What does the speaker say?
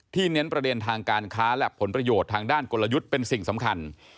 เน้นประเด็นทางการค้าและผลประโยชน์ทางด้านกลยุทธ์เป็นสิ่งสำคัญ